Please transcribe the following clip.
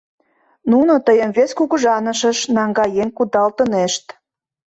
Нуно тыйым вес кугыжанышыш наҥгаен кудалтынешт.